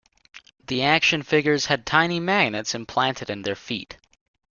The action figures had tiny magnets implanted in their feet.